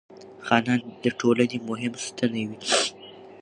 خانان د ټولنې مهم ستنې وې.